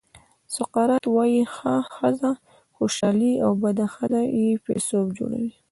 سقراط وایي ښه ښځه خوشالي او بده یې فیلسوف جوړوي.